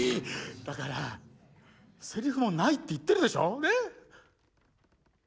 だからセリフもないって言ってるでしょ。ね？